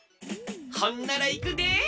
ほんならいくで！